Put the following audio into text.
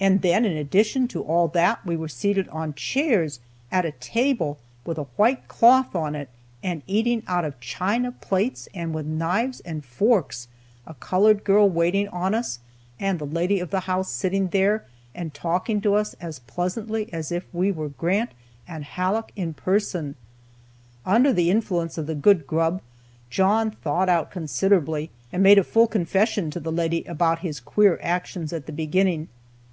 And then, in addition to all that, we were seated on chairs, at a table with a white cloth on it, and eating out of china plates and with knives and forks, a colored girl waiting on us, and the lady of the house sitting there and talking to us as pleasantly as if we were Grant and Halleck in person. Under the influence of the good grub, John thawed out considerably, and made a full confession to the lady about his queer actions at the beginning.